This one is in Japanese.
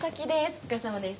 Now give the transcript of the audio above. お疲れさまです。